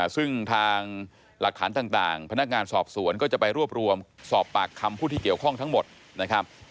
ซึ่งทางหลักฐานต่างพนักงานสอบสวนก็จะไปรวบรวมสอบปากคำผู้ที่เกี่ยวข้องทั้งหมดนะครับ